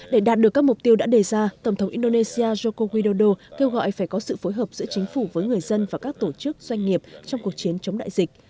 để đạt được các mục tiêu đã đề ra tổng thống indonesia joko widodo kêu gọi phải có sự phối hợp giữa chính phủ với người dân và các tổ chức doanh nghiệp trong cuộc chiến chống đại dịch